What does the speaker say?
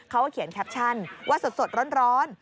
เขาก็เขียนแคปชั่นว่าสดร้อน